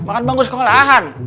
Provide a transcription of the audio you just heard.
makan bangun sekolahan